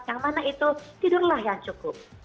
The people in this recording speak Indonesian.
yang mana itu tidurlah yang cukup